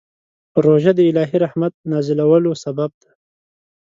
روژه د الهي رحمت نازلولو سبب دی.